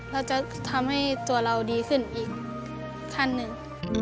เราจะทำให้ตัวเราดีขึ้นอีกขั้นหนึ่ง